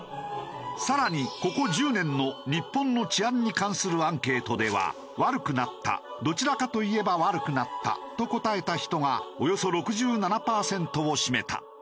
更にここ１０年の日本の治安に関するアンケートでは「悪くなった」「どちらかといえば悪くなった」と答えた人がおよそ６７パーセントを占めた。